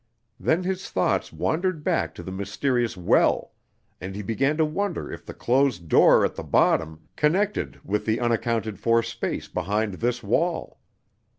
Then his thoughts wandered back to the mysterious well, and he began to wonder if the closed door at the bottom connected with the unaccounted for space behind this wall.